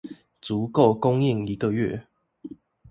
足夠供應一個月